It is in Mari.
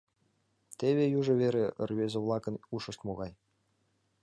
Теве южо вере рвезе-влакын ушышт могай!